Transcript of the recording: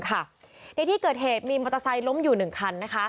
ในที่เกิดเหตุมีมอเตอร์ไซค์ล้มอยู่๑คัน